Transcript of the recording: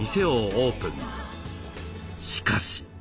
しかし。